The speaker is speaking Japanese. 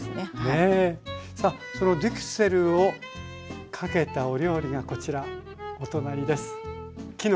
さあそのデュクセルをかけたお料理がこちらお隣です。